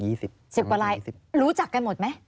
๑๐กว่าลายรู้จักกันหมดไหม